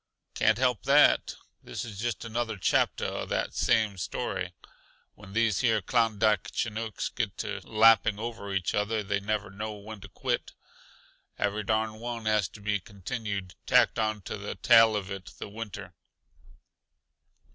"Can't help that. This is just another chapter uh that same story. When these here Klondike Chinooks gets to lapping over each other they never know when to quit. Every darn one has got to be continued tacked onto the tail of it the winter.